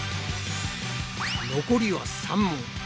残りは３問。